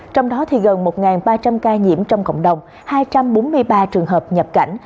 trong đó gần một ba trăm linh ca nhiễm trong cộng đồng hai trăm bốn mươi ba trường hợp nhập cảnh